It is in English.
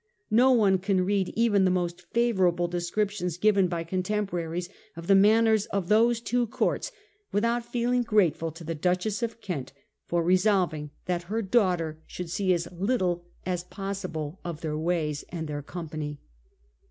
No one can read even the most favourable descriptions given by con temporaries of the maimers of those two courts with out feeling grateful to the Duchess of Kent for resolv ing that her daughter should see as little as possible of their ways and their company.